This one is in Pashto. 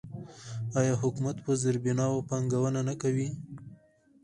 آیا حکومت په زیربناوو پانګونه نه کوي؟